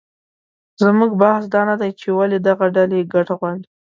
زموږ بحث دا نه دی چې ولې دغه ډلې ګټه غواړي